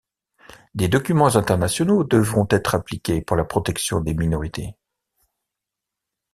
Des documents internationaux devront être appliqués pour la protection des minorités.